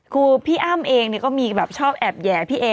คือพี่อ้ำเองก็มีแบบชอบแอบแห่พี่เอ